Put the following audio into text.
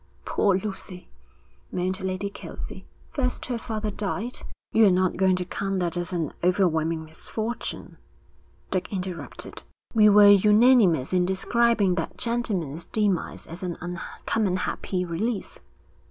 'Poor Lucy!' moaned Lady Kelsey. 'First her father died....' 'You're not going to count that as an overwhelming misfortune?' Dick interrupted. 'We were unanimous in describing that gentleman's demise as an uncommon happy release.'